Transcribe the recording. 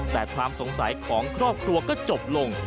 แต่ความสงสัยของครอบครัวก็จบลง